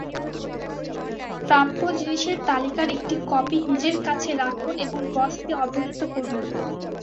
প্রাপ্য জিনিসের তালিকার একটি কপি নিজের কাছে রাখুন এবং বসকে অবহিত করুন।